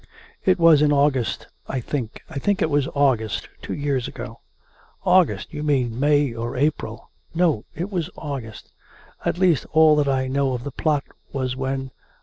" It was in August, I think. ... I think it was August, two years ago." ..." August ... you mean May or April." " No ; it was August. ... At least, all that I know of the plot was when